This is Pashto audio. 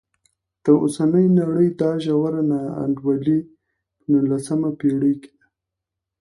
د اوسنۍ نړۍ دا ژوره نا انډولي په نولسمه پېړۍ کې ده.